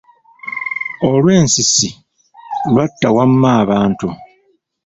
Olw'e Nsiisi, Lwatta wamma abantu.